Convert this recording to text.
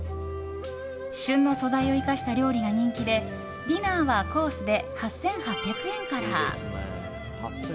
旬の素材を生かした料理が人気でディナーはコースで８８００円から。